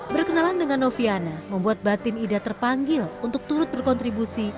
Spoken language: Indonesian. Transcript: berkenalan dengan noviana membuat batin ida terpanggil untuk turut berkontribusi